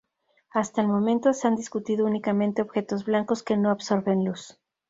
Hasta el momento se han discutido únicamente objetos blancos, que no absorben luz.